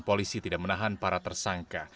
polisi tidak menahan para tersangka